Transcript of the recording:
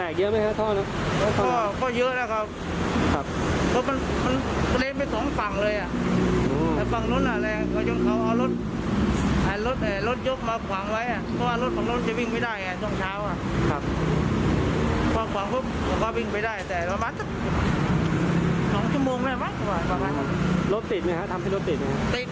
ขอบคุณครับรถติดไหมครับทำให้รถติดไหมครับ